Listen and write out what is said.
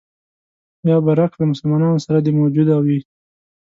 یا برعکس له مسلمانانو سره دې موجوده وي.